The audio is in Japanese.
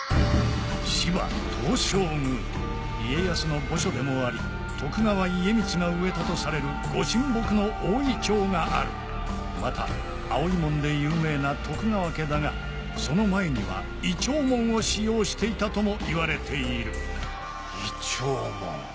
芝東照宮家康の墓所でもあり徳川家光が植えたとされる御神木の大イチョウがあるまた葵紋で有名な徳川家だがその前にはイチョウ紋を使用していたともいわれているイチョウ紋。